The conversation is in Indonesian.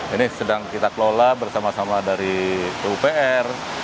ini sedang kita kelola bersama sama dari pupr